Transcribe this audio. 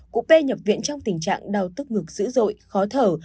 cụ p nhập viện trong tình trạng đau tức ngực dữ dội khó thở